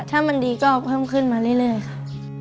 ถ้ามันดีก็เพิ่มขึ้นมาเรื่อยค่ะ